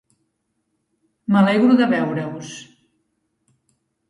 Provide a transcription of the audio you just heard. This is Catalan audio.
M'alegro de veure-us.